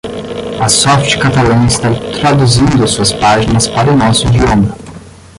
A Softcatalà está traduzindo suas páginas para o nosso idioma.